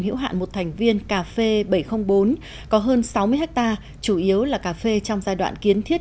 hữu hạn một thành viên cà phê bảy trăm linh bốn có hơn sáu mươi ha chủ yếu là cà phê trong giai đoạn kiến thiết